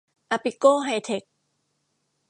อาปิโก ไฮเทค